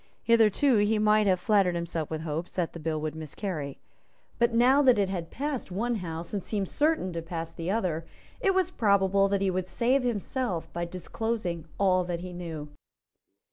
Hitherto he might have flattered himself with hopes that the bill would miscarry. But now that it had passed one House, and seemed certain to pass the other, it was probable that he would save himself by disclosing all that he knew.